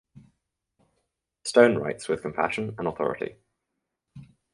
Stone writes with compassion and authority.